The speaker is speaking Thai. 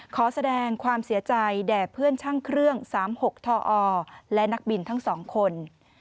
ขอแสดงความเสียใจแด่เพื่อนช่างเครื่อง๓๖ทอและนักบินทั้ง๒คน